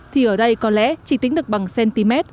thì ở đây có lẽ chỉ tính được bằng cm